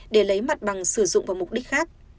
để lấy mặt bằng sử dụng vào mục đích khác